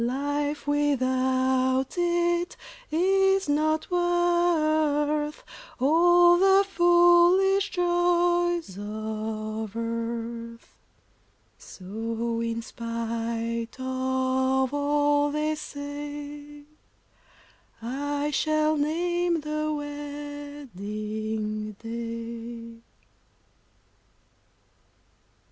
"Life without it is not worth All the foolish joys of earth." So, in spite of all they say, I shall name the wedding day.